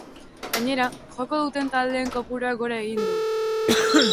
Gainera, joko duten taldeen kopuruak gora egin du.